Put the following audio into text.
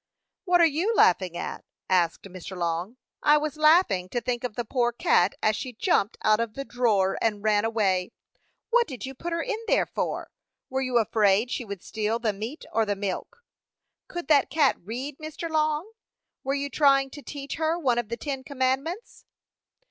"What are you laughing at?" asked Mr. Long. "I was laughing to think of the poor cat as she jumped out of the drawer and ran away. What did you put her in there for? Were you afraid she would steal the meat or the milk? Could that cat read, Mr. Long? Were you trying to teach her one of the ten commandments?"